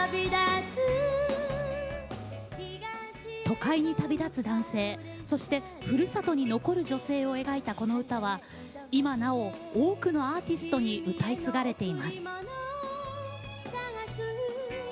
都会に旅立つ男性そしてふるさとに残る女性を描いたこの歌は今なお多くのアーティストに歌い継がれています。